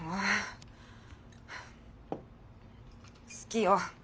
好きよ。